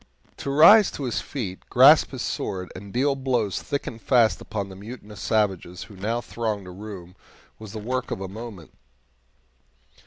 To rise to his feet, grasp his sword, and deal blows thick and fast upon the mutinous savages who now thronged the room was the work of a moment.